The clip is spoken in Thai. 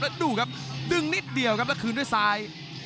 แล้วดูครับดึงนิดเดียวครับแล้วคืนด้วยซ้าย